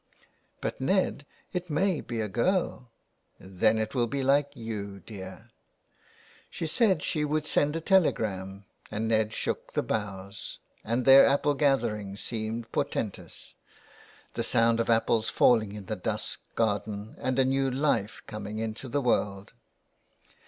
" But, Ned, it may be a girl." " Then it will be like you, dear." She said she would send a telegram and Ned shook the boughs, and their apple gathering seemed por tentous. The sound of apples falling in the dusk garden, and a new life coming into the world